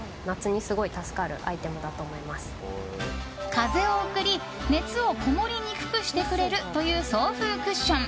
風を送り、熱をこもりにくくしてくれるという送風クッション。